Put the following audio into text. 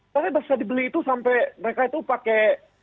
tapi pas dibeli itu sampai mereka itu pakai